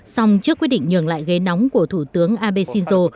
xong trước quyết định nhường lại ghế nóng của thủ tướng abe shinzo